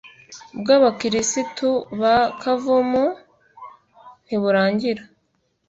bw’abakirisitu ba kavumu ntiburangira.